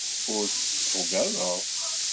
Ur tugadeḍ?